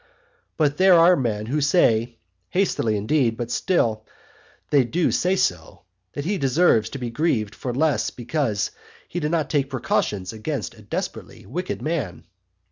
But there are men who say, (hastily indeed, but still they do say so,) that he deserves to be grieved for less because he did not take precautions against a desperately wicked man.